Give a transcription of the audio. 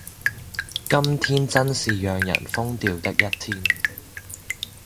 今天真是讓人瘋掉的一天